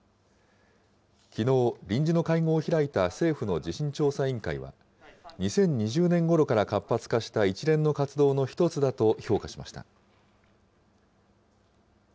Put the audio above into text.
きのう臨時の会合を開いた政府の地震調査委員会は、２０２０年ごろから活発化した一連の活動の一つだと評価しました。